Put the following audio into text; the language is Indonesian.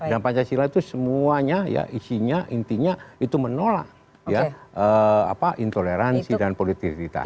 dan pancasila itu semuanya ya isinya intinya itu menolak intoleransi dan politik identitas